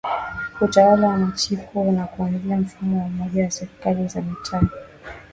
Utawala wa Machifu na kuanza Mfumo wa pamoja wa Serikali za Mitaa